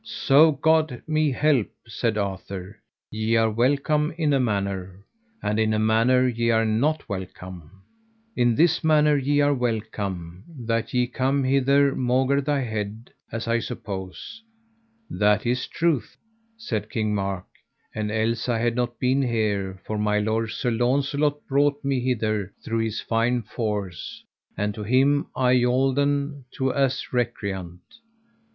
So God me help, said Arthur, ye are welcome in a manner, and in a manner ye are not welcome. In this manner ye are welcome, that ye come hither maugre thy head, as I suppose. That is truth, said King Mark, and else I had not been here, for my lord, Sir Launcelot, brought me hither through his fine force, and to him am I yolden to as recreant.